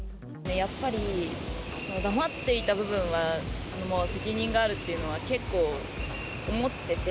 やっぱり黙っていた部分はもう責任があるっていうのは結構、思ってて。